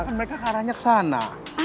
kan mereka ke arahnya kesana